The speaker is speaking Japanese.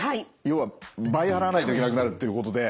要は倍払わないといけなくなるってことで。